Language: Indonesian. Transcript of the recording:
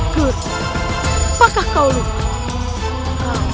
guru apakah kau lupa